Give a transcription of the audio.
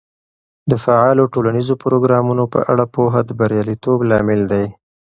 د فعالو ټولنیزو پروګرامونو په اړه پوهه د بریالیتوب لامل دی.